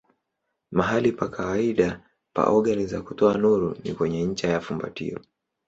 Mahali pa kawaida pa ogani za kutoa nuru ni kwenye ncha ya fumbatio.